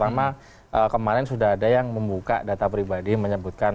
karena kemarin sudah ada yang membuka data pribadi menyebutkan